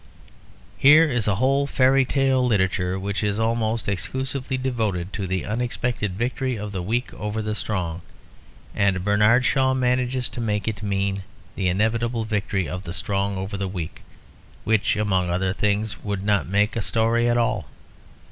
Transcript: Here is a whole fairy literature which is almost exclusively devoted to the unexpected victory of the weak over the strong; and Bernard Shaw manages to make it mean the inevitable victory of the strong over the weak which, among other things, would not make a story at all.